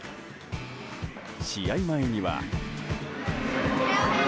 試合前には。